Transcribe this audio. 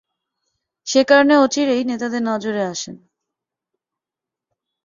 সেকারণে অচিরেই নেতাদের নজরে আসেন।